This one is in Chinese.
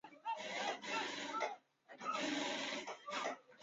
帕拉第奥式的建筑主要根据古罗马和希腊的传统建筑的对称思想和价值。